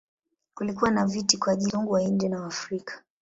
Kulikuwa na viti kwa ajili ya Wazungu, Wahindi na Waafrika.